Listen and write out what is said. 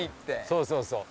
そうそうそう。